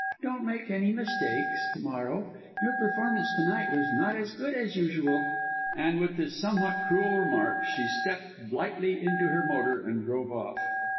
Don't make any mistakes to morrow. Your performance to night was not as good as usual." And, with this somewhat cruel remark, she stepped lightly into her motor, and drove off.